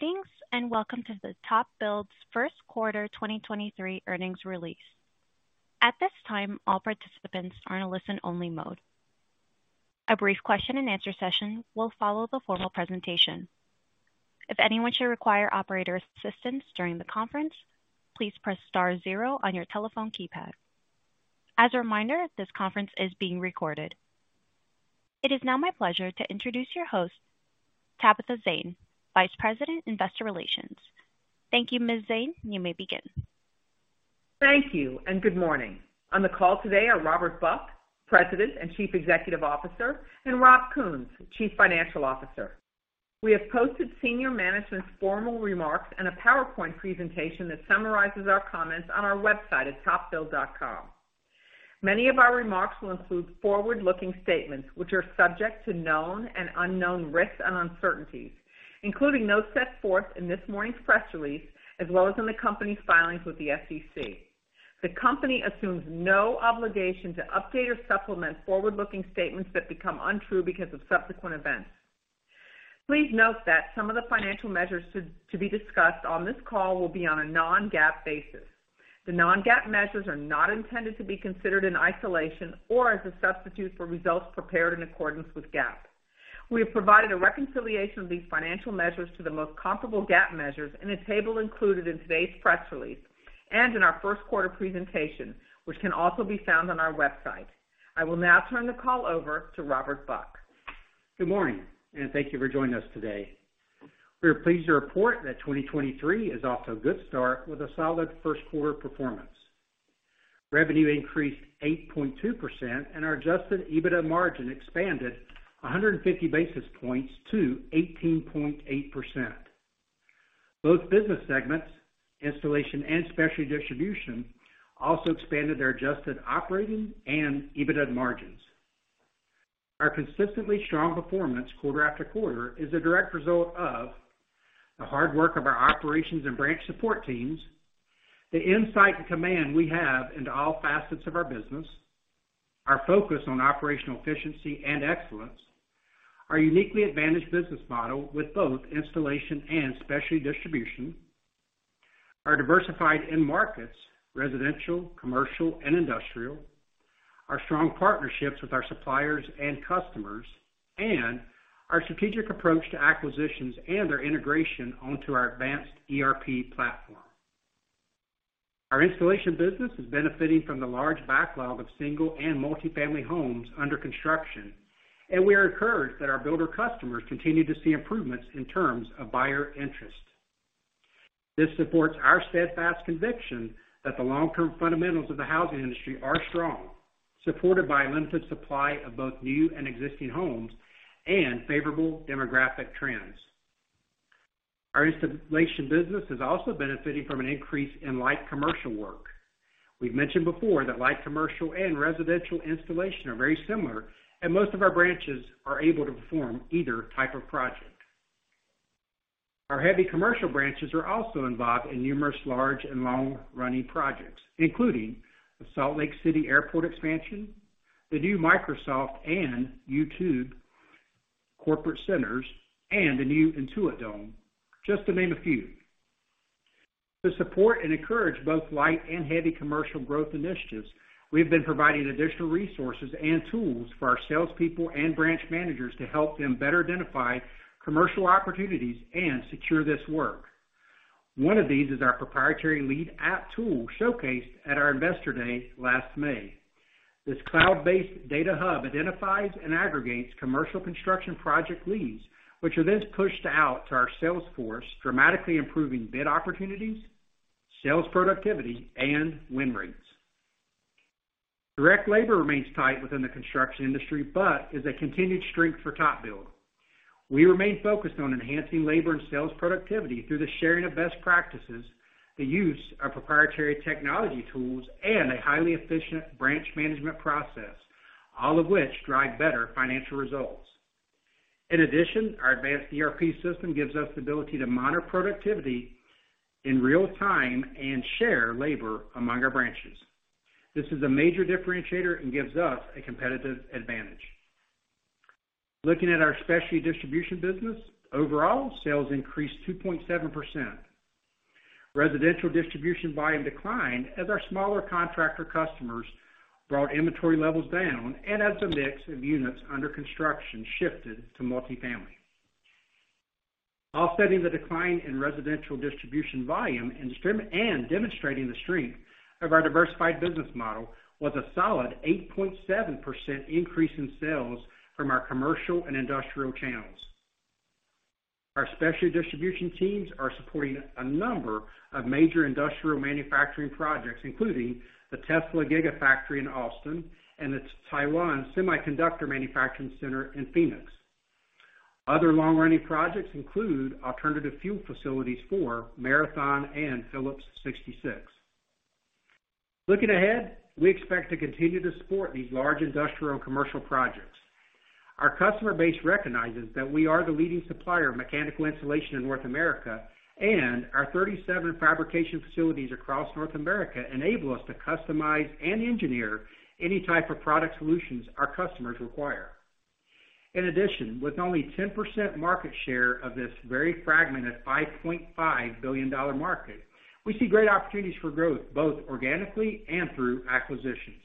Greetings, and welcome to the TopBuild's First Quarter 2023 Earnings Release. At this time, all participants are in a listen-only mode. A brief question and answer session will follow the formal presentation. If anyone should require operator assistance during the conference, please press star zero on your telephone keypad. As a reminder, this conference is being recorded. It is now my pleasure to introduce your host, Tabitha Zane, Vice President, Investor Relations. Thank you, Ms. Zane. You may begin. Thank you. Good morning. On the call today are Robert Buck, President and Chief Executive Officer, and Robert Kuhns, Chief Financial Officer. We have posted senior management's formal remarks and a PowerPoint presentation that summarizes our comments on our website at topbuild.com. Many of our remarks will include forward-looking statements, which are subject to known and unknown risks and uncertainties, including those set forth in this morning's press release, as well as in the company's filings with the SEC. The company assumes no obligation to update or supplement forward-looking statements that become untrue because of subsequent events. Please note that some of the financial measures to be discussed on this call will be on a non-GAAP basis. The non-GAAP measures are not intended to be considered in isolation or as a substitute for results prepared in accordance with GAAP. We have provided a reconciliation of these financial measures to the most comparable GAAP measures in a table included in today's press release and in our first quarter presentation, which can also be found on our website. I will now turn the call over to Robert Buck. Good morning, and thank you for joining us today. We are pleased to report that 2023 is off to a good start with a solid first quarter performance. Revenue increased 8.2%, and our Adjusted EBITDA margin expanded 150 basis points to 18.8%. Both business segments, installation and Specialty Distribution, also expanded their adjusted operating and EBITDA margins. Our consistently strong performance quarter after quarter is a direct result of the hard work of our operations and branch support teams, the insight and command we have into all facets of our business, our focus on operational efficiency and excellence, our uniquely advantaged business model with both installation and Specialty Distribution, our diversified end markets, residential, commercial, and industrial, our strong partnerships with our suppliers and customers, and our strategic approach to acquisitions and their integration onto our advanced ERP platform. Our installation business is benefiting from the large backlog of single and multi-family homes under construction, and we are encouraged that our builder customers continue to see improvements in terms of buyer interest. This supports our steadfast conviction that the long-term fundamentals of the housing industry are strong, supported by a limited supply of both new and existing homes and favorable demographic trends. Our installation business is also benefiting from an increase in light commercial work. We've mentioned before that light commercial and residential installation are very similar, and most of our branches are able to perform either type of project. Our heavy commercial branches are also involved in numerous large and long-running projects, including the Salt Lake City Airport expansion, the new Microsoft and YouTube corporate centers, and the new Intuit Dome, just to name a few. To support and encourage both light and heavy commercial growth initiatives, we've been providing additional resources and tools for our salespeople and branch managers to help them better identify commercial opportunities and secure this work. One of these is our proprietary Lead App tool showcased at our Investor Day last May. This cloud-based data hub identifies and aggregates commercial construction project leads, which are then pushed out to our sales force, dramatically improving bid opportunities, sales productivity, and win rates. Direct labor remains tight within the construction industry, but is a continued strength for TopBuild. We remain focused on enhancing labor and sales productivity through the sharing of best practices, the use of proprietary technology tools, and a highly efficient branch management process, all of which drive better financial results. In addition, our advanced ERP system gives us the ability to monitor productivity in real time and share labor among our branches. This is a major differentiator and gives us a competitive advantage. Looking at our Specialty Distribution business, overall sales increased 2.7%. Residential distribution volume declined as our smaller contractor customers brought inventory levels down and as the mix of units under construction shifted to multifamily. Offsetting the decline in residential distribution volume and demonstrating the strength of our diversified business model was a solid 8.7% increase in sales from our commercial and industrial channels. Our Specialty Distribution teams are supporting a number of major industrial manufacturing projects, including the Tesla Gigafactory in Austin and the Taiwan Semiconductor Manufacturing Center in Phoenix. Other long-running projects include alternative fuel facilities for Marathon and Phillips 66. Looking ahead, we expect to continue to support these large industrial and commercial projects. Our customer base recognizes that we are the leading supplier of mechanical insulation in North America. Our 37 fabrication facilities across North America enable us to customize and engineer any type of product solutions our customers require. In addition, with only 10% market share of this very fragmented $5.5 billion market, we see great opportunities for growth, both organically and through acquisitions.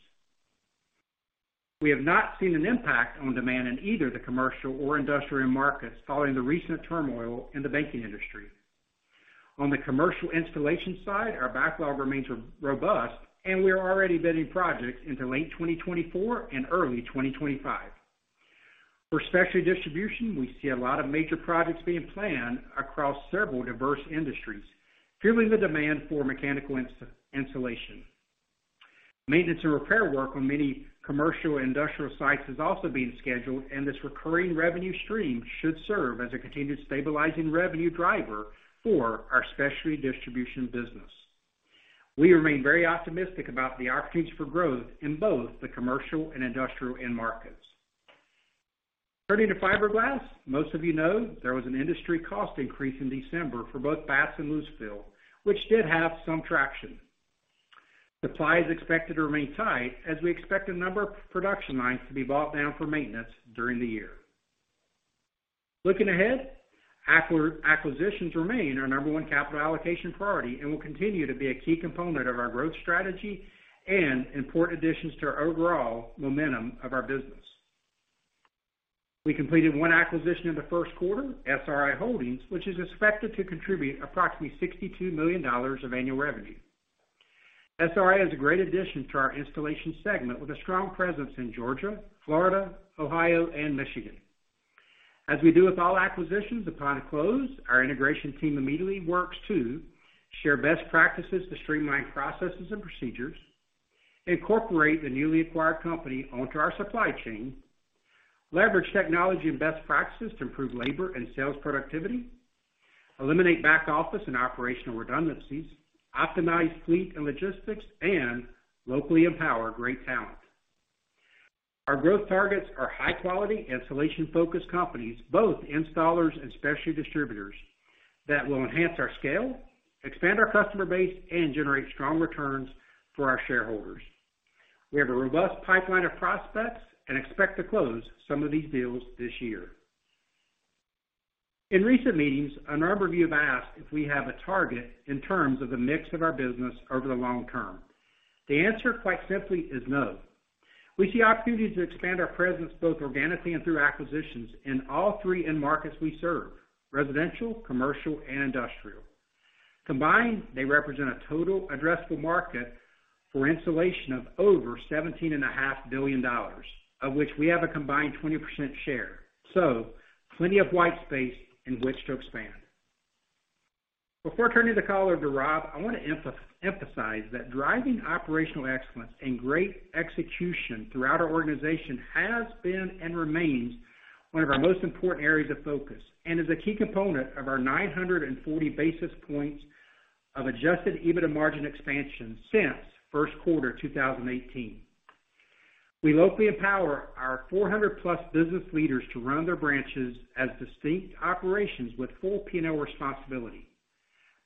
We have not seen an impact on demand in either the commercial or industrial markets following the recent turmoil in the banking industry. On the commercial insulation side, our backlog remains robust and we are already bidding projects into late 2024 and early 2025. For Specialty Distribution, we see a lot of major projects being planned across several diverse industries, fueling the demand for mechanical insulation. Maintenance and repair work on many commercial and industrial sites is also being scheduled. This recurring revenue stream should serve as a continued stabilizing revenue driver for our Specialty Distribution business. We remain very optimistic about the opportunities for growth in both the commercial and industrial end markets. Turning to fiberglass, most of you know there was an industry cost increase in December for both batts and loose fill, which did have some traction. Supply is expected to remain tight as we expect a number of production lines to be bought down for maintenance during the year. Looking ahead, acquisitions remain our one capital allocation priority and will continue to be a key component of our growth strategy and important additions to our overall momentum of our business. We completed one acquisition in the first quarter, SRI Holdings, which is expected to contribute approximately $62 million of annual revenue. SRI is a great addition to our installation segment, with a strong presence in Georgia, Florida, Ohio, and Michigan. As we do with all acquisitions, upon close, our integration team immediately works to share best practices to streamline processes and procedures, incorporate the newly acquired company onto our supply chain, leverage technology and best practices to improve labor and sales productivity, eliminate back office and operational redundancies, optimize fleet and logistics, and locally empower great talent. Our growth targets are high quality, installation-focused companies, both installers and specialty distributors, that will enhance our scale, expand our customer base, and generate strong returns for our shareholders. We have a robust pipeline of prospects and expect to close some of these deals this year. In recent meetings, a number of you have asked if we have a target in terms of the mix of our business over the long term. The answer, quite simply, is no. We see opportunities to expand our presence both organically and through acquisitions in all three end markets we serve, residential, commercial, and industrial. Combined, they represent a total addressable market for installation of over $17 and a half billion, of which we have a combined 20% share. Plenty of white space in which to expand. Before turning the call over to Rob, I want to emphasize that driving operational excellence and great execution throughout our organization has been and remains one of our most important areas of focus, and is a key component of our 940 basis points of Adjusted EBITDA margin expansion since first quarter 2018. We locally empower our 400+ business leaders to run their branches as distinct operations with full P&L responsibility.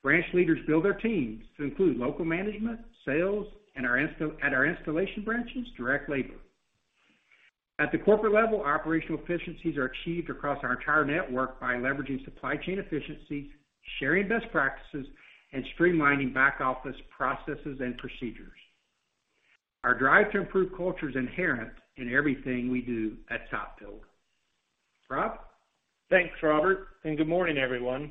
Branch leaders build their teams to include local management, sales, and at our installation branches, direct labor. At the corporate level, operational efficiencies are achieved across our entire network by leveraging supply chain efficiencies, sharing best practices, and streamlining back office processes and procedures. Our drive to improve culture is inherent in everything we do at TopBuild. Rob? Thanks, Robert. Good morning, everyone.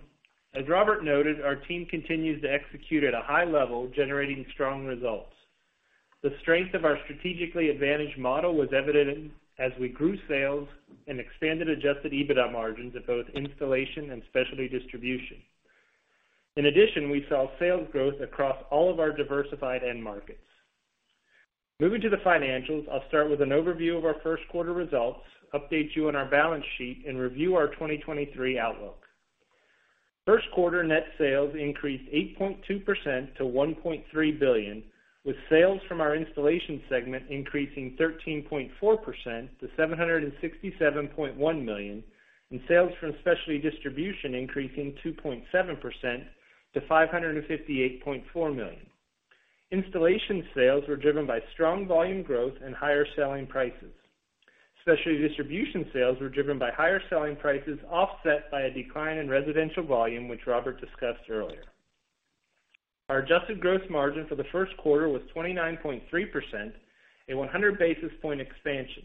As Robert noted, our team continues to execute at a high level, generating strong results. The strength of our strategically advantaged model was evident as we grew sales and expanded Adjusted EBITDA margins at both installation and Specialty Distribution. In addition, we saw sales growth across all of our diversified end markets. Moving to the financials, I'll start with an overview of our first quarter results, update you on our balance sheet, and review our 2023 outlook. First quarter net sales increased 8.2% to $1.3 billion, with sales from our installation segment increasing 13.4% to $767.1 million, and sales from Specialty Distribution increasing 2.7% to $558.4 million. Installation sales were driven by strong volume growth and higher selling prices. Specialty Distribution sales were driven by higher selling prices, offset by a decline in residential volume, which Robert discussed earlier. Our adjusted gross margin for the first quarter was 29.3%, a 100 basis point expansion.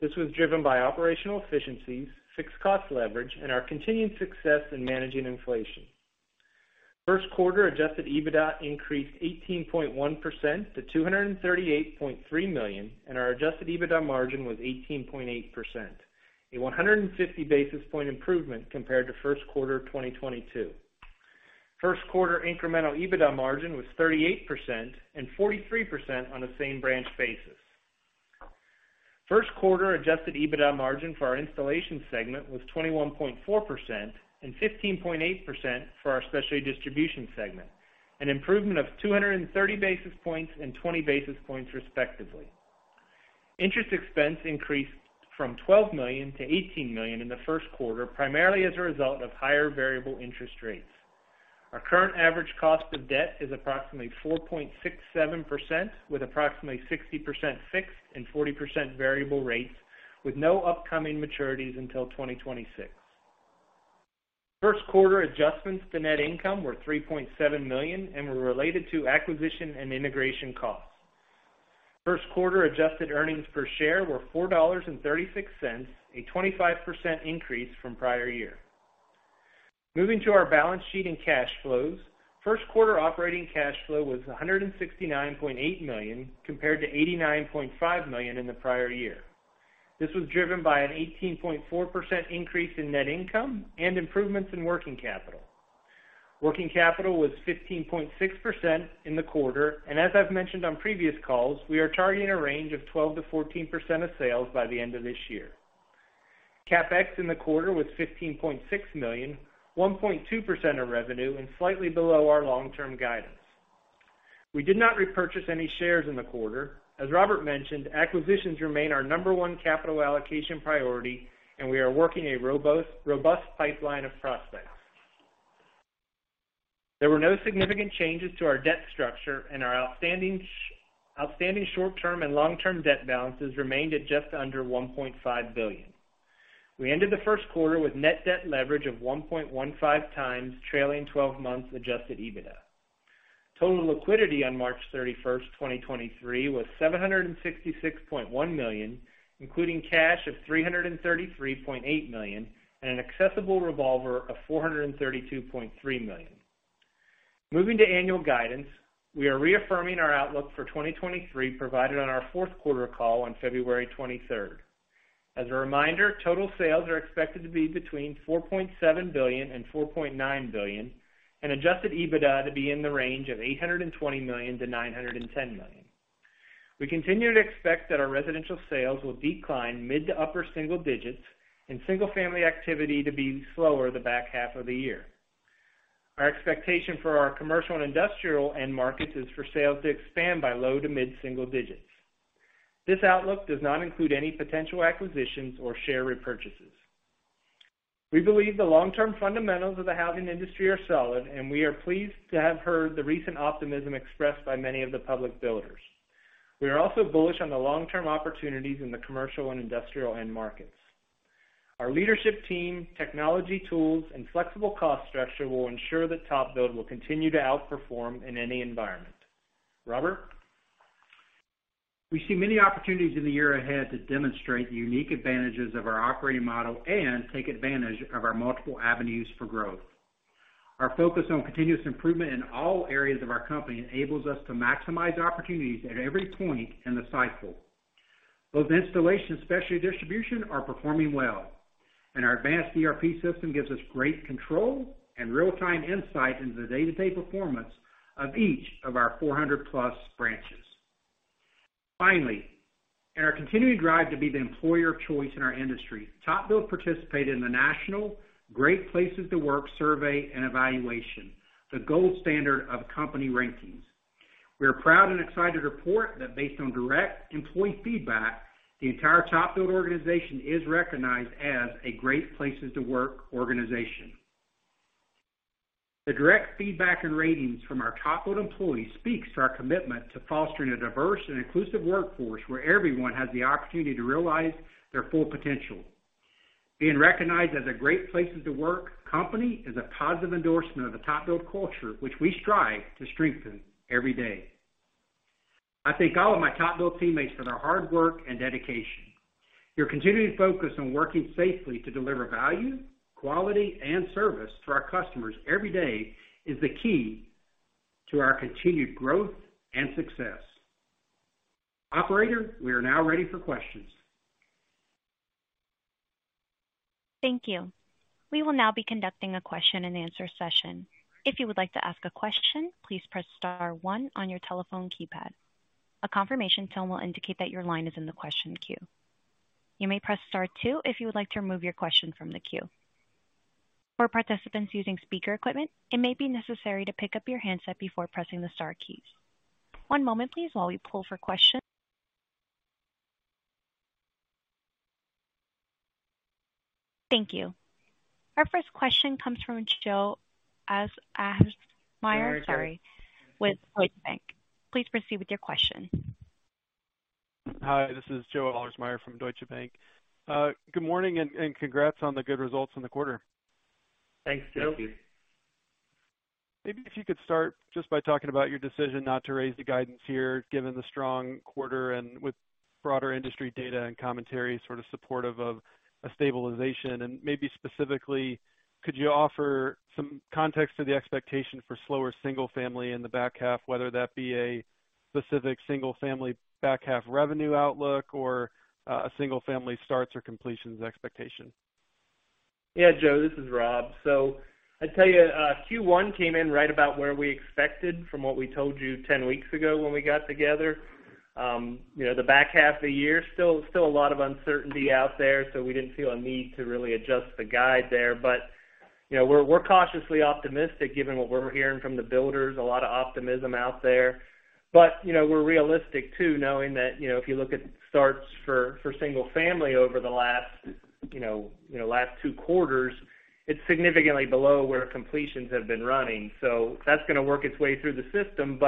This was driven by operational efficiencies, fixed cost leverage, and our continued success in managing inflation. First quarter Adjusted EBITDA increased 18.1% to $238.3 million, and our Adjusted EBITDA margin was 18.8%, a 150 basis point improvement compared to first quarter 2022. First quarter incremental EBITDA margin was 38% and 43% on a same branch basis. First quarter Adjusted EBITDA margin for our installation segment was 21.4% and 15.8% for our Specialty Distribution segment, an improvement of 230 basis points and 20 basis points respectively. Interest expense increased from $12 million to $18 million in the first quarter, primarily as a result of higher variable interest rates. Our current average cost of debt is approximately 4.67%, with approximately 60% fixed and 40% variable rates, with no upcoming maturities until 2026. First quarter adjustments to net income were $3.7 million and were related to acquisition and integration costs. First quarter Adjusted earnings per share were $4.36, a 25% increase from prior year. Moving to our balance sheet and cash flows. First quarter operating cash flow was $169.8 million compared to $89.5 million in the prior year. This was driven by an 18.4% increase in net income and improvements in working capital. Working capital was 15.6% in the quarter. As I've mentioned on previous calls, we are targeting a range of 12%-14% of sales by the end of this year. CapEx in the quarter was $15.6 million, 1.2% of revenue and slightly below our long-term guidance. We did not repurchase any shares in the quarter. As Robert mentioned, acquisitions remain our number one capital allocation priority. We are working a robust pipeline of prospects. There were no significant changes to our debt structure. Our outstanding short-term and long-term debt balances remained at just under $1.5 billion. We ended the first quarter with net debt leverage of 1.15x trailing twelve months Adjusted EBITDA. Total liquidity on March 31, 2023 was $766.1 million, including cash of $333.8 million, and an accessible revolver of $432.3 million. Moving to annual guidance, we are reaffirming our outlook for 2023 provided on our fourth quarter call on February 23. As a reminder, total sales are expected to be between $4.7 billion and $4.9 billion, and Adjusted EBITDA to be in the range of $820 million-$910 million. We continue to expect that our residential sales will decline mid to upper single digits and single-family activity to be slower the back half of the year. Our expectation for our commercial and industrial end markets is for sales to expand by low to mid single digits. This outlook does not include any potential acquisitions or share repurchases. We believe the long-term fundamentals of the housing industry are solid, and we are pleased to have heard the recent optimism expressed by many of the public builders. We are also bullish on the long-term opportunities in the commercial and industrial end markets. Our leadership team, technology tools, and flexible cost structure will ensure that TopBuild will continue to outperform in any environment. Robert? We see many opportunities in the year ahead to demonstrate the unique advantages of our operating model and take advantage of our multiple avenues for growth. Our focus on continuous improvement in all areas of our company enables us to maximize opportunities at every point in the cycle. Both installation and Specialty Distribution are performing well, and our advanced ERP system gives us great control and real-time insight into the day-to-day performance of each of our 400+ branches. Finally, in our continuing drive to be the employer of choice in our industry, TopBuild participated in the national Great Place to Work survey and evaluation, the gold standard of company rankings. We are proud and excited to report that based on direct employee feedback, the entire TopBuild organization is recognized as a Great Place to Work organization. The direct feedback and ratings from our TopBuild employees speaks to our commitment to fostering a diverse and inclusive workforce where everyone has the opportunity to realize their full potential. Being recognized as a Great Place to Work company is a positive endorsement of the TopBuild culture, which we strive to strengthen every day. I thank all of my TopBuild teammates for their hard work and dedication. Your continued focus on working safely to deliver value, quality, and service to our customers every day is the key to our continued growth and success. Operator, we are now ready for questions. Thank you. We will now be conducting a question-and-answer session. If you would like to ask a question, please press star one on your telephone keypad. A confirmation tone will indicate that your line is in the question queue. You may press star two if you would like to remove your question from the queue. For participants using speaker equipment, it may be necessary to pick up your handset before pressing the star keys. One moment please while we pull for questions. Thank you. Our first question comes from Joe Ahlersmeyer, sorry, with Deutsche Bank. Please proceed with your question. Hi, this is Joe Ahlersmeyer from Deutsche Bank. Good morning, and congrats on the good results in the quarter. Thanks, Joe. Maybe if you could start just by talking about your decision not to raise the guidance here, given the strong quarter and with broader industry data and commentary sort of supportive of a stabilization. Maybe specifically, could you offer some context to the expectation for slower single-family in the back half, whether that be a specific single-family back half revenue outlook or a single-family starts or completions expectation? Yeah. Joe, this is Rob. I'd tell you, Q1 came in right about where we expected from what we told you 10 weeks ago when we got together. You know, the back half of the year, still a lot of uncertainty out there, so we didn't feel a need to really adjust the guide there. You know, we're cautiously optimistic given what we're hearing from the builders, a lot of optimism out there. You know, we're realistic too, knowing that, you know, if you look at starts for single family over the last, you know, last two quarters, it's significantly below where completions have been running. That's gonna work its way through the system.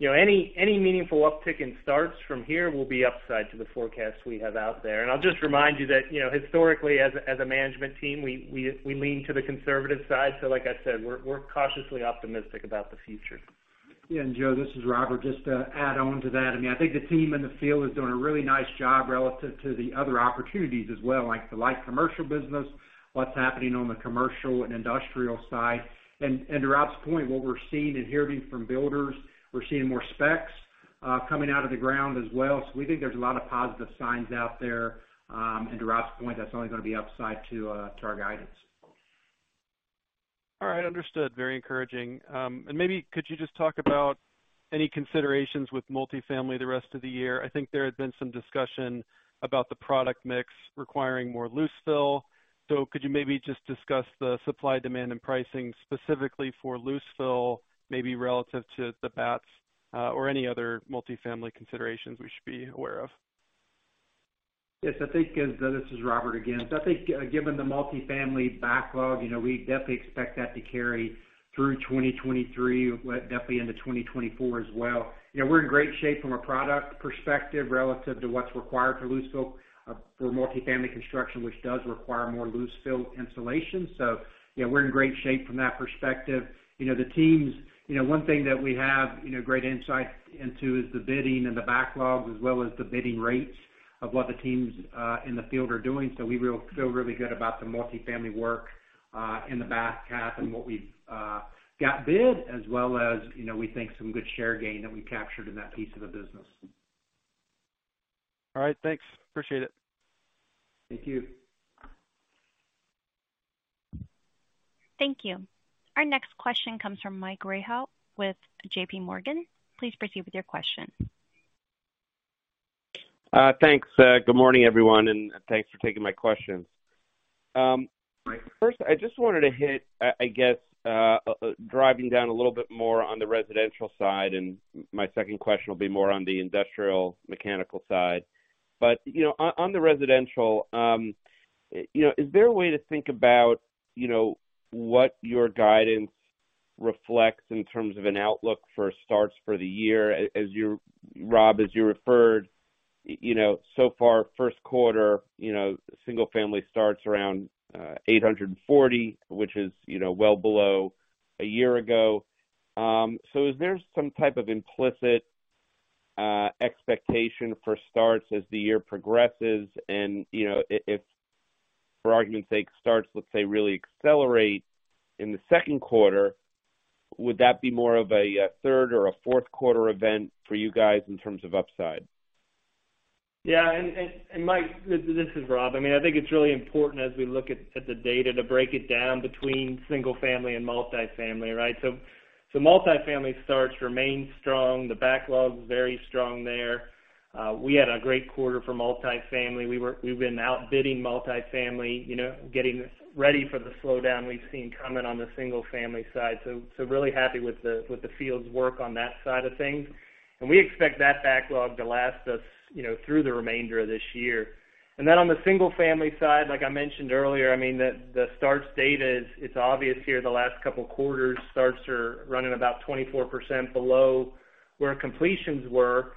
You know, any meaningful uptick in starts from here will be upside to the forecast we have out there. I'll just remind you that, you know, historically, as a, as a management team, we lean to the conservative side. Like I said, we're cautiously optimistic about the future. Yeah. Joe, this is Robert. Just to add on to that, I mean, I think the team in the field is doing a really nice job relative to the other opportunities as well, like the light commercial business, what's happening on the commercial and industrial side. To Rob's point, what we're seeing and hearing from builders, we're seeing more specs coming out of the ground as well. We think there's a lot of positive signs out there. To Rob's point, that's only gonna be upside to our guidance. All right. Understood. Very encouraging. Maybe could you just talk about any considerations with multifamily the rest of the year? I think there had been some discussion about the product mix requiring more loose fill. Could you maybe just discuss the supply, demand, and pricing specifically for loose fill, maybe relative to the batts, or any other multifamily considerations we should be aware of? Yes, I think, this is Robert again. I think, given the multifamily backlog, you know, we definitely expect that to carry through 2023, definitely into 2024 as well. You know, we're in great shape from a product perspective relative to what's required for loose fill, for multifamily construction, which does require more loose fill insulation. Yeah, we're in great shape from that perspective. You know, one thing that we have, you know, great insight into is the bidding and the backlogs as well as the bidding rates of what the teams in the field are doing. We feel really good about the multifamily work in the back half and what we've got bid as well as, you know, we think some good share gain that we captured in that piece of the business. All right. Thanks. Appreciate it. Thank you. Thank you. Our next question comes from Mike Rehaut with JPMorgan. Please proceed with your question. Thanks. Good morning, everyone, and thanks for taking my questions. First, I just wanted to hit, I guess, driving down a little bit more on the residential side, and my second question will be more on the industrial mechanical side. You know, on the residential, you know, is there a way to think about, you know, what your guidance reflects in terms of an outlook for starts for the year? As you, Rob, referred, you know, so far, first quarter, you know, single family starts around 840, which is, you know, well below a year ago. Is there some type of implicit expectation for starts as the year progresses? You know, if, for argument's sake, starts, let's say, really accelerate in the second quarter, would that be more of a third or a fourth quarter event for you guys in terms of upside? Yeah. Mike, this is Rob. I mean, I think it's really important as we look at the data to break it down between single family and multifamily, right? Multifamily starts remain strong. The backlog's very strong there. We had a great quarter for multifamily. We've been outbidding multifamily, you know, getting ready for the slowdown we've seen coming on the single family side. Really happy with the field's work on that side of things. We expect that backlog to last us, you know, through the remainder of this year. On the single family side, like I mentioned earlier, I mean, the starts data is, it's obvious here, the last couple quarters, starts are running about 24% below where completions were.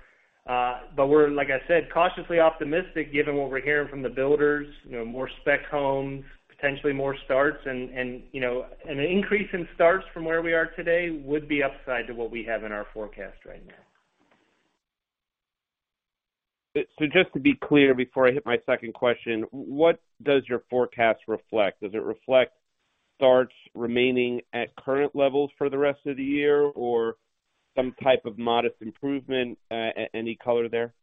We're, like I said, cautiously optimistic given what we're hearing from the builders, you know, more spec homes, potentially more starts. You know, an increase in starts from where we are today would be upside to what we have in our forecast right now. Just to be clear, before I hit my second question, what does your forecast reflect? Does it reflect starts remaining at current levels for the rest of the year or some type of modest improvement? Any color there?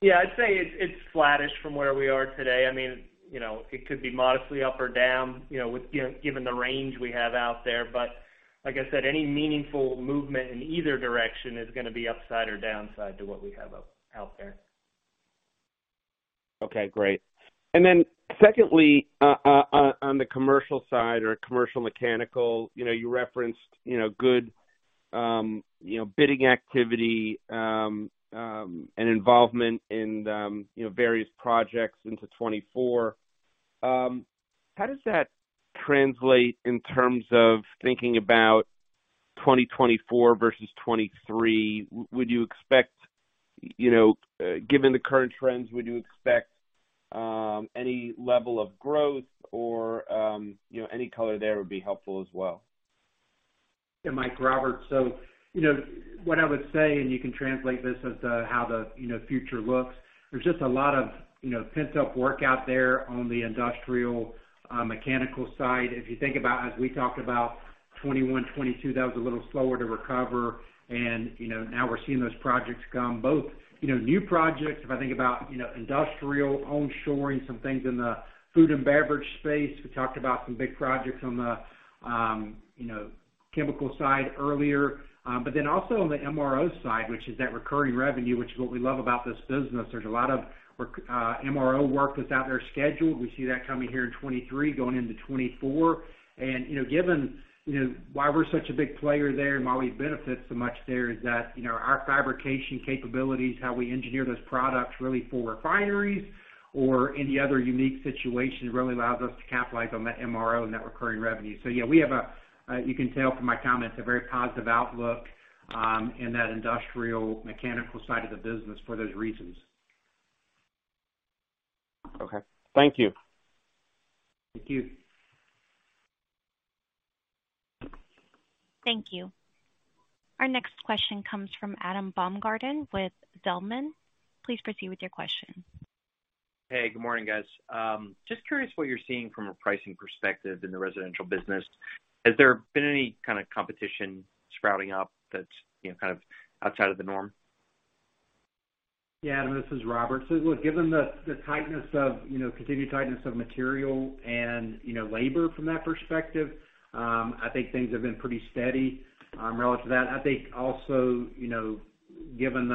Yeah, I'd say it's flattish from where we are today. I mean, you know, it could be modestly up or down, you know, with, you know, given the range we have out there. Like I said, any meaningful movement in either direction is gonna be upside or downside to what we have out there. Okay, great. Secondly, on the commercial side or commercial mechanical, you know, you referenced, you know, good, you know, bidding activity, and involvement in, you know, various projects into 2024. How does that translate in terms of thinking about 2024 versus 2023? Would you expect, you know, given the current trends, would you expect any level of growth or, you know, any color there would be helpful as well. Yeah. Mike, Robert. You know, what I would say, and you can translate this as the, how the, you know, future looks, there's just a lot of, you know, pent-up work out there on the industrial mechanical side. If you think about, as we talked about, 2021, 2022, that was a little slower to recover and, you know, now we're seeing those projects come both, you know, new projects, if I think about, you know, industrial onshoring, some things in the food and beverage space. We talked about some big projects on the, you know, chemical side earlier. Also on the MRO side, which is that recurring revenue, which is what we love about this business. There's a lot of work, MRO work that's out there scheduled. We see that coming here in 2023 going into 2024. You know, given, you know, why we're such a big player there and why we benefit so much there is that, you know, our fabrication capabilities, how we engineer those products really for refineries or any other unique situation really allows us to capitalize on that MRO and that recurring revenue. Yeah, we have a, you can tell from my comments, a very positive outlook, in that industrial mechanical side of the business for those reasons. Okay. Thank you. Thank you. Thank you. Our next question comes from Adam Baumgarten with Zelman. Please proceed with your question. Hey, good morning, guys. Just curious what you're seeing from a pricing perspective in the residential business. Has there been any kind of competition sprouting up that's, you know, kind of outside of the norm? Yeah. Adam, this is Robert. Look, given the tightness of, you know, continued tightness of material and, you know, labor from that perspective, I think things have been pretty steady relative to that. I think also, you know, given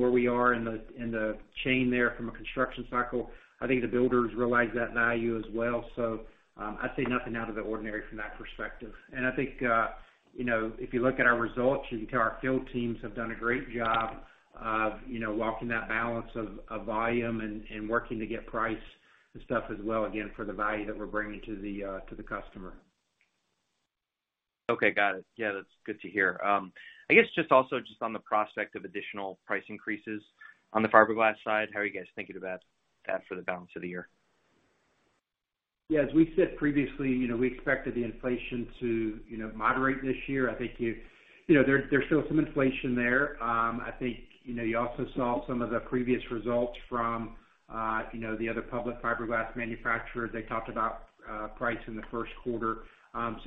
where we are in the, in the chain there from a construction cycle, I think the builders realize that value as well. I'd say nothing out of the ordinary from that perspective. I think, you know, if you look at our results, you can tell our field teams have done a great job of, you know, walking that balance of volume and working to get price and stuff as well, again, for the value that we're bringing to the customer. Okay. Got it. Yeah, that's good to hear. I guess just also just on the prospect of additional price increases on the fiberglass side, how are you guys thinking about that for the balance of the year? Yeah. As we said previously, you know, we expected the inflation to, you know, moderate this year. I think you know, there's still some inflation there. I think, you know, you also saw some of the previous results from, you know, the other public fiberglass manufacturers. They talked about, price in the first quarter.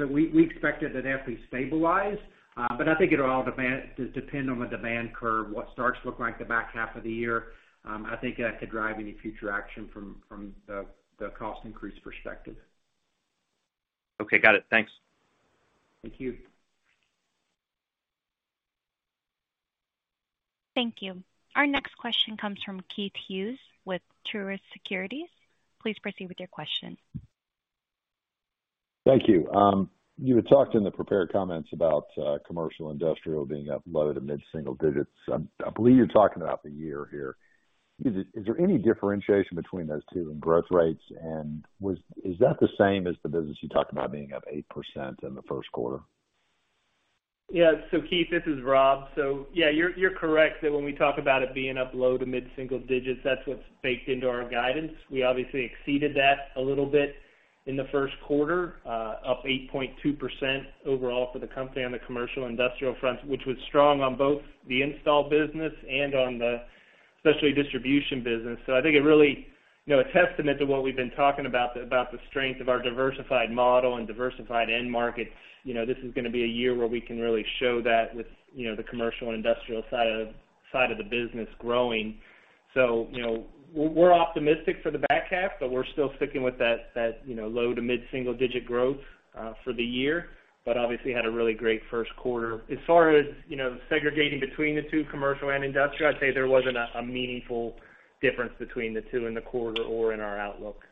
We expected that to actually stabilize, but I think it'll all depend on the demand curve, what starts to look like the back half of the year. I think that could drive any future action from the cost increase perspective. Okay. Got it. Thanks. Thank you. Thank you. Our next question comes from Keith Hughes with Truist Securities. Please proceed with your question. Thank you. You had talked in the prepared comments about commercial industrial being up low to mid-single digits. I believe you're talking about the year here. Is there any differentiation between those two in growth rates? Is that the same as the business you talked about being up 8% in the first quarter? Yeah. Keith, this is Rob. Yeah, you're correct that when we talk about it being up low to mid-single digits, that's what's baked into our guidance. We obviously exceeded that a little bit in the first quarter, up 8.2% overall for the company on the commercial industrial front, which was strong on both the install business and on the Specialty Distribution business. I think it really, you know, a testament to what we've been talking about the strength of our diversified model and diversified end markets. You know, this is gonna be a year where we can really show that with, you know, the commercial and industrial side of the business growing. You know, we're optimistic for the back half, but we're still sticking with that, you know, low to mid-single-digit growth for the year, but obviously had a really great first quarter. As far as, you know, segregating between the two, commercial and industrial, I'd say there wasn't a meaningful difference between the two in the quarter or in our outlook.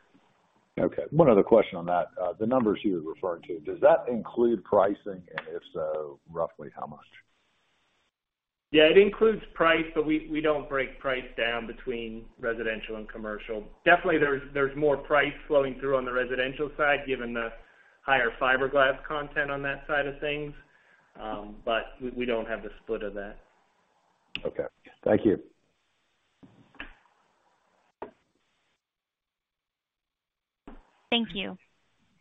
Okay. One other question on that. The numbers you were referring to, does that include pricing? If so, roughly how much? It includes price, but we don't break price down between residential and commercial. Definitely, there's more price flowing through on the residential side, given the higher fiberglass content on that side of things. We don't have the split of that. Okay. Thank you. Thank you.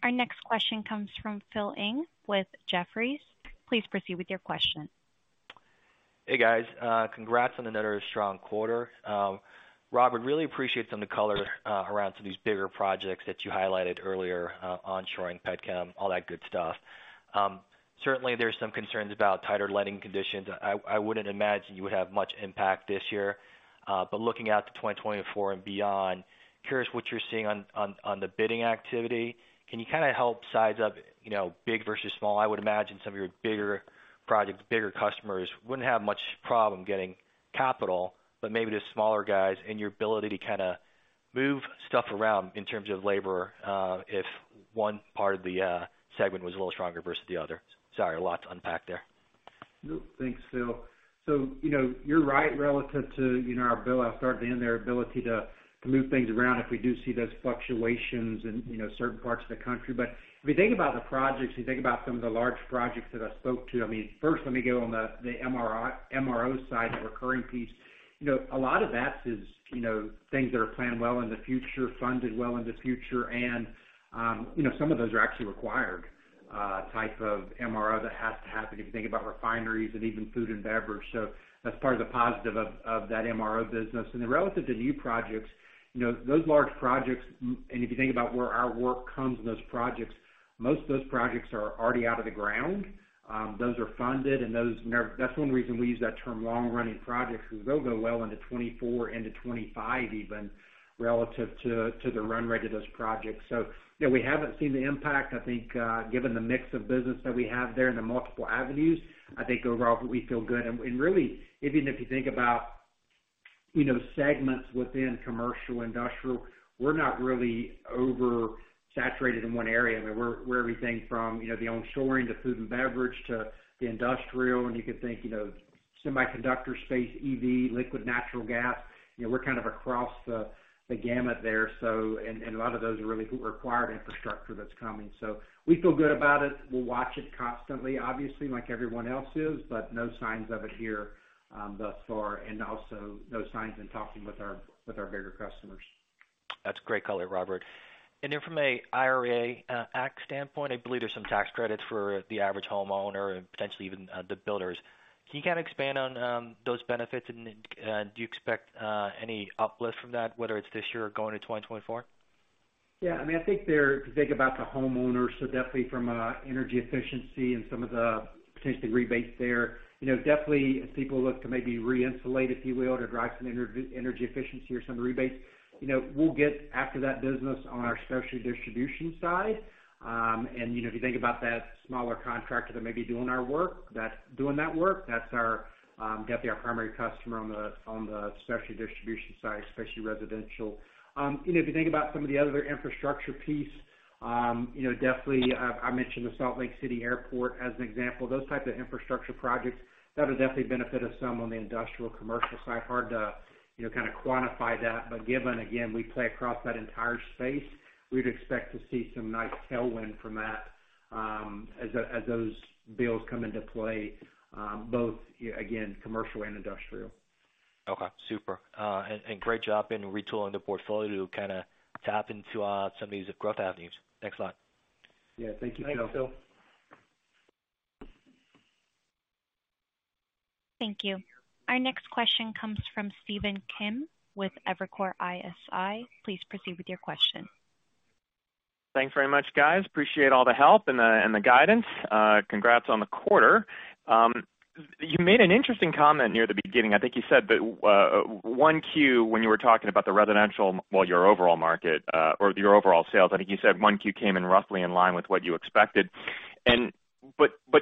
Our next question comes from Phil Ng with Jefferies. Please proceed with your question. Hey, guys. Congrats on another strong quarter. Rob, I'd really appreciate some of the color around some of these bigger projects that you highlighted earlier, onshoring, petchem, all that good stuff. Certainly, there's some concerns about tighter lending conditions. I wouldn't imagine you would have much impact this year. Looking out to 2024 and beyond, curious what you're seeing on the bidding activity. Can you kinda help size up, you know, big versus small? I would imagine some of your bigger projects, bigger customers wouldn't have much problem getting capital, but maybe the smaller guys and your ability to kinda move stuff around in terms of labor, if one part of the segment was a little stronger versus the other. Sorry, a lot to unpack there. No, thanks, Phil. You know, you're right relative to, you know, our bill, our start to end, their ability to move things around if we do see those fluctuations in, you know, certain parts of the country. If you think about the projects, you think about some of the large projects that I spoke to, I mean, first let me go on the MRO side, the recurring piece. You know, a lot of that is, you know, things that are planned well in the future, funded well in the future, and, you know, some of those are actually required type of MRO that has to happen if you think about refineries and even food and beverage. That's part of the positive of that MRO business. Relative to new projects, you know, those large projects, and if you think about where our work comes in those projects, most of those projects are already out of the ground. Those are funded. That's one reason we use that term long-running projects, because those go well into 24, into 25 even, relative to the run rate of those projects. You know, we haven't seen the impact. I think, given the mix of business that we have there and the multiple avenues, I think overall we feel good. And really, even if you think about, you know, segments within commercial, industrial, we're not really oversaturated in one area. I mean, we're everything from, you know, the onshoring to food and beverage to the industrial, and you could think, you know, semiconductor space, EV, liquid natural gas. You know, we're kind of across the gamut there. A lot of those are really required infrastructure that's coming. We feel good about it. We'll watch it constantly, obviously, like everyone else is. No signs of it here, thus far. Also no signs in talking with our bigger customers. That's great color, Robert. Then from a IRA Act standpoint, I believe there's some tax credits for the average homeowner and potentially even the builders. Can you kind of expand on those benefits and do you expect any uplift from that, whether it's this year or going to 2024? I mean, if you think about the homeowners, so definitely from a energy efficiency and some of the potentially rebates there, you know, definitely as people look to maybe re-insulate, if you will, to drive some energy efficiency or some rebates, you know, we'll get after that business on our Specialty Distribution side. You know, if you think about that smaller contractor that may be doing our work, doing that work, that's our, definitely our primary customer on the, on the Specialty Distribution side, especially residential. You know, if you think about some of the other infrastructure piece, you know, definitely, I mentioned the Salt Lake City Airport as an example. Those type of infrastructure projects, that'll definitely benefit us some on the industrial commercial side. Hard to, you know, kind of quantify that. Given, again, we play across that entire space, we'd expect to see some nice tailwind from that, as those bills come into play, both, again, commercial and industrial. Okay, super. Great job in retooling the portfolio to kinda tap into, some of these growth avenues. Thanks a lot. Yeah. Thank you, Phil. Thanks, Phil. Thank you. Our next question comes from Stephen Kim with Evercore ISI. Please proceed with your question. Thanks very much, guys. Appreciate all the help and the, and the guidance. Congrats on the quarter. You made an interesting comment near the beginning. I think you said that 1Q, when you were talking about the residential, well, your overall market, or your overall sales, I think you said 1Q came in roughly in line with what you expected.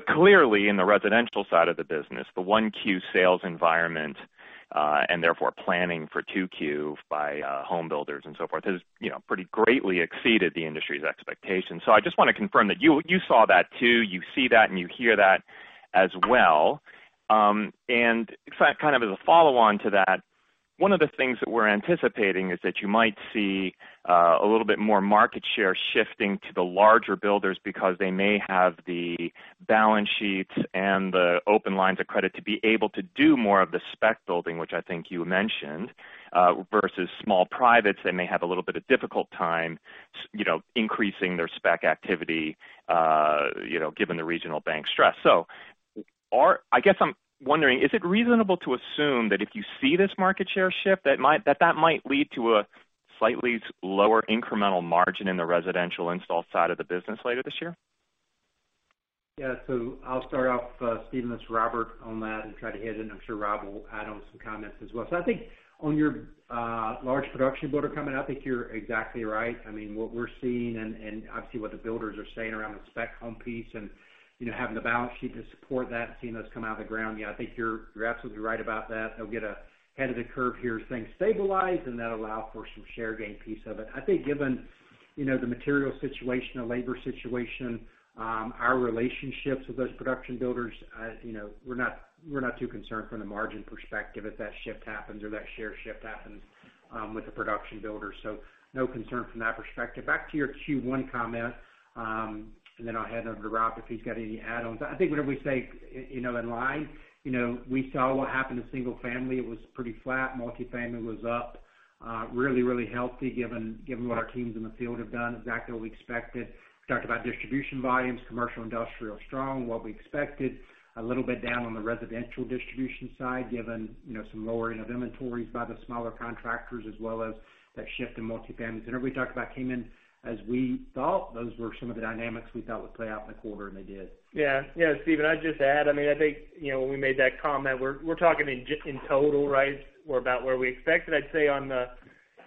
clearly in the residential side of the business, the 1Q sales environment, and therefore planning for 2Q by home builders and so forth has, you know, pretty greatly exceeded the industry's expectations. I just wanna confirm that you saw that, too. You see that and you hear that as well. In fact, kind of as a follow on to that, one of the things that we're anticipating is that you might see a little bit more market share shifting to the larger builders because they may have the balance sheets and the open lines of credit to be able to do more of the spec building, which I think you mentioned, versus small privates that may have a little bit of difficult time, you know, increasing their spec activity, you know, given the regional bank stress. I guess I'm wondering, is it reasonable to assume that if you see this market share shift, that that might lead to a slightly lower incremental margin in the residential install side of the business later this year? Yeah. I'll start off, Stephen, this is Robert on that and try to hit it, and I'm sure Rob will add on some comments as well. I think on your large production builder comment, I think you're exactly right. I mean, what we're seeing and obviously what the builders are saying around the spec home piece and, you know, having the balance sheet to support that and seeing those come out of the ground. Yeah, I think you're absolutely right about that. They'll get ahead of the curve here as things stabilize, and that'll allow for some share gain piece of it. I think given, you know, the material situation, the labor situation, our relationships with those production builders, you know, we're not too concerned from the margin perspective if that shift happens or that share shift happens with the production builders. No concern from that perspective. Back to your Q1 comment, and then I'll hand it over to Rob if he's got any add-ons. I think whenever we say, you know, in line, you know, we saw what happened to single family. It was pretty flat. Multifamily was up, really, really healthy given what our teams in the field have done, exactly what we expected. Talked about distribution volumes, commercial, industrial, strong, what we expected. A little bit down on the residential distribution side, given, you know, some lowering of inventories by the smaller contractors as well as that shift in multifamily. Whenever we talk about came in as we thought, those were some of the dynamics we thought would play out in the quarter, and they did. Yeah. Yeah. Stephen, I'd just add, I mean, I think, you know, when we made that comment, we're talking in total, right, we're about where we expected. I'd say on the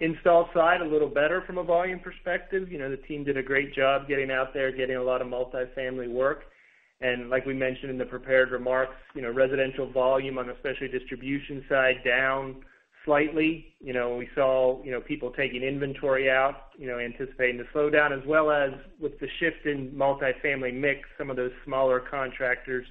install side, a little better from a volume perspective. You know, the team did a great job getting out there, getting a lot of multifamily work. Like we mentioned in the prepared remarks, you know, residential volume on the Specialty Distribution side down slightly. You know, we saw, you know, people taking inventory out, you know, anticipating the slowdown, as well as with the shift in multifamily mix, some of those smaller contractors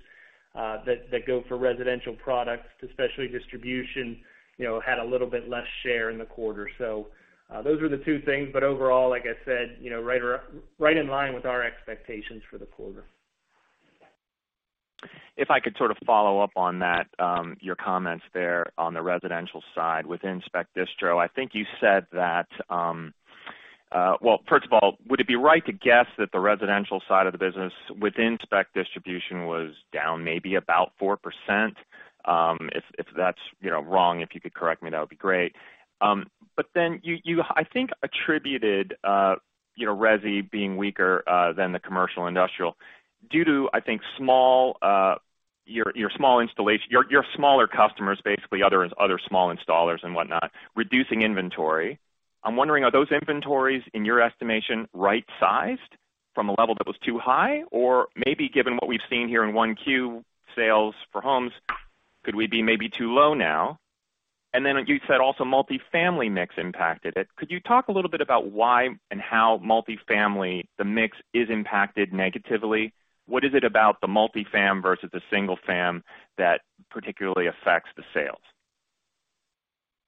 that go for residential products to Specialty Distribution, you know, had a little bit less share in the quarter. Those are the two things. Overall, like I said, you know, right or right in line with our expectations for the quarter. If I could sort of follow up on that, your comments there on the residential side within Specialty Distribution. I think you said that, Well, first of all, would it be right to guess that the residential side of the business within Spec Distribution was down maybe about 4%? If that's, you know, wrong, if you could correct me, that would be great. But then you, I think attributed, you know, resi being weaker than the commercial industrial due to, I think, your smaller customers, basically other small installers and whatnot, reducing inventory. I'm wondering, are those inventories, in your estimation, right-sized from a level that was too high? Or maybe given what we've seen here in 1Q sales for homes, could we be maybe too low now? You said also multifamily mix impacted it. Could you talk a little bit about why and how multifamily, the mix is impacted negatively? What is it about the multifam versus the single fam that particularly affects the sales?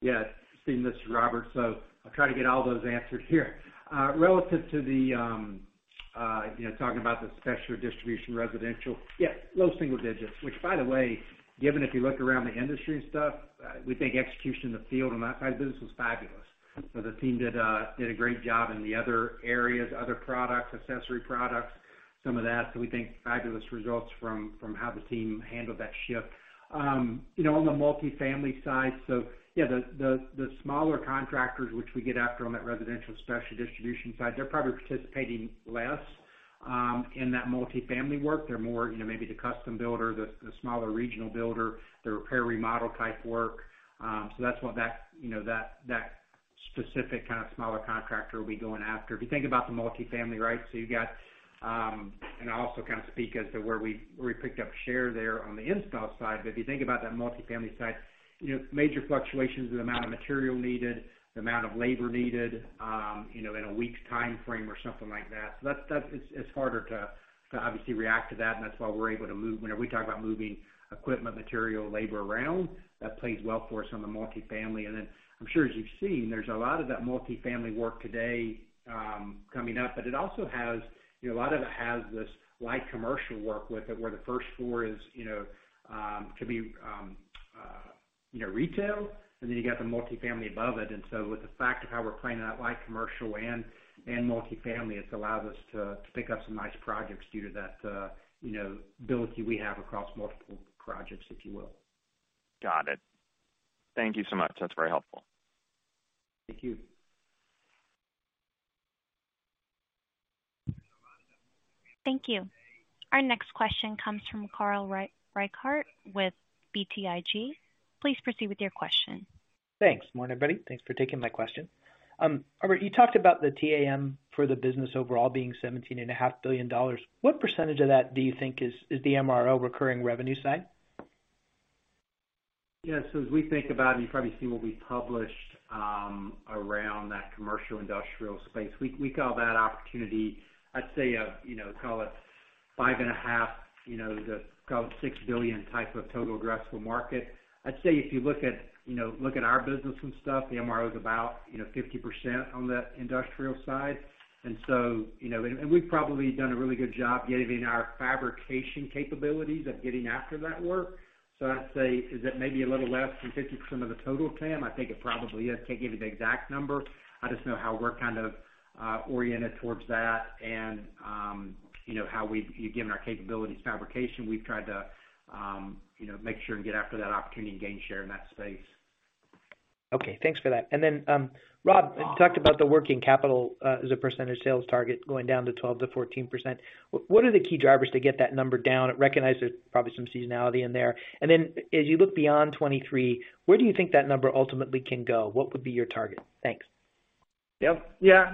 Yeah. Stephen, this is Robert. I'll try to get all those answered here. Relative to the, you know, talking about the Specialty Distribution residential. Yeah, low single digits, which by the way, given if you look around the industry and stuff, we think execution in the field on that side of the business was fabulous. The team did a great job in the other areas, other products, accessory products, some of that. We think fabulous results from how the team handled that shift. You know, on the multifamily side, yeah, the smaller contractors which we get after on that residential Specialty Distribution side, they're probably participating less in that multifamily work. They're more, you know, maybe the custom builder, the smaller regional builder, the repair remodel type work. That's what that, you know, that specific kind of smaller contractor will be going after. If you think about the multifamily, right? You got, and I also kind of speak as to where we picked up share there on the install side. If you think about that multifamily side, you know, major fluctuations in the amount of material needed, the amount of labor needed, you know, in a week's timeframe or something like that. That's it's harder to obviously react to that and that's why we're able to move. Whenever we talk about moving equipment, material, labor around, that plays well for us on the multifamily. I'm sure as you've seen, there's a lot of that multifamily work today, coming up, but it also has, you know, a lot of it has this light commercial work with it where the first floor is, you know, could be, you know, retail and then you got the multifamily above it. With the fact of how we're planning that light commercial and multifamily, it's allowed us to pick up some nice projects due to that, you know, ability we have across multiple projects, if you will. Got it. Thank you so much. That's very helpful. Thank you. Thank you. Our next question comes from Carl Reichardt with BTIG. Please proceed with your question. Thanks. Morning, everybody. Thanks for taking my question. Robert, you talked about the TAM for the business overall being $17.5 billion. What percentage of that do you think is the MRO recurring revenue side? Yes. As we think about it, and you've probably seen what we published around that commercial industrial space, we call that opportunity, I'd say a, you know, call it $5.5, you know, call it $6 billion type of total addressable market. I'd say if you look at, you know, look at our business and stuff, the MRO is about, you know, 50% on the industrial side. You know, and we've probably done a really good job getting our fabrication capabilities of getting after that work. I'd say is it may be a little less than 50% of the total TAM? I think it probably is. Can't give you the exact number. I just know how we're kind of oriented towards that and, you know, how we've, given our capabilities fabrication, we've tried to, you know, make sure and get after that opportunity and gain share in that space. Okay. Thanks for that. Rob, you talked about the working capital, as a percentage sales target going down to 12%-14%. What are the key drivers to get that number down? I recognize there's probably some seasonality in there. As you look beyond 2023, where do you think that number ultimately can go? What would be your target? Thanks. Yep. Yeah.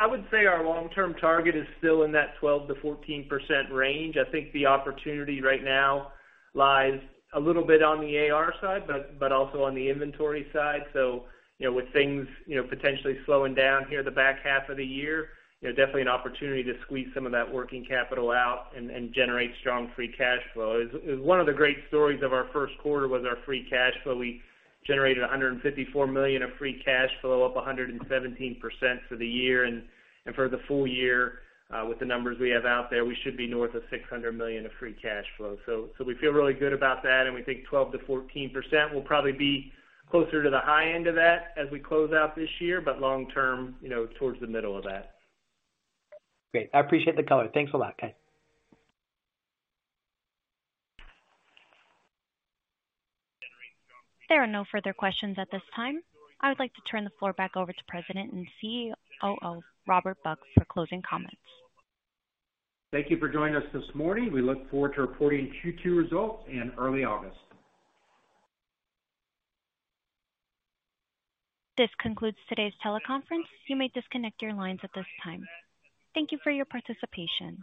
I would say our long-term target is still in that 12%-14% range. I think the opportunity right now lies a little bit on the A/R side, but also on the inventory side. You know, with things, you know, potentially slowing down here the back half of the year, you know, definitely an opportunity to squeeze some of that working capital out and generate strong free cash flow. Is one of the great stories of our first quarter was our free cash flow. We generated $154 million of free cash flow, up 117% for the year. For the full year, with the numbers we have out there, we should be north of $600 million of free cash flow. We feel really good about that, and we think 12%-14%. We'll probably be closer to the high end of that as we close out this year, but long term, you know, towards the middle of that. Great. I appreciate the color. Thanks a lot. Okay. There are no further questions at this time. I would like to turn the floor back over to President and CEO Robert Buck for closing comments. Thank you for joining us this morning. We look forward to reporting Q2 results in early August. This concludes today's teleconference. You may disconnect your lines at this time. Thank you for your participation.